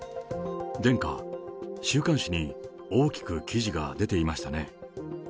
殿下、週刊誌に大きく記事が出ていましたね。